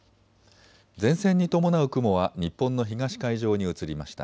前線に伴う雲は日本の東海上に移りました。